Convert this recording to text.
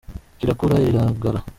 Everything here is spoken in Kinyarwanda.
Rirakura riragara.